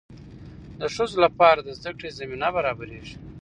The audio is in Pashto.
د ښځو لپاره د زده کړې زمینه برابریږي.